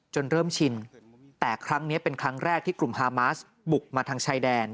เริ่มชินแต่ครั้งนี้เป็นครั้งแรกที่กลุ่มฮามาสบุกมาทางชายแดน